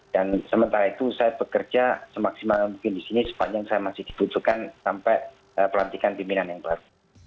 dan sementara itu saya bekerja semaksimal mungkin di sini sepanjang saya masih dibutuhkan sampai pelantikan pimpinan yang baru